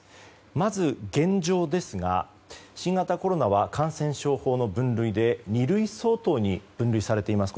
まず、現状ですが新型コロナは感染症法の分類で二類相当に分類されています。